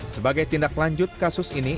sebagai tindak lanjut kasus ini